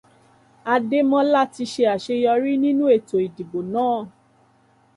Adẹ́mọ́lá ti ṣe àṣeyọrí nínú ètò ìdìbò náà.